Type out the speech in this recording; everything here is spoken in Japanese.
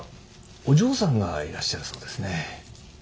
お嬢さんがいらっしゃるそうですね。